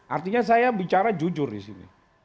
artinya saya bicara jujur disini